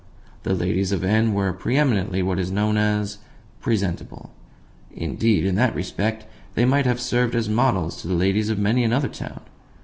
The ladies of N. were pre eminently what is known as "presentable." Indeed, in that respect they might have served as a model to the ladies of many another town.